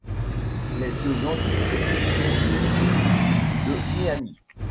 Les tenants du titre sont le Heat de Miami.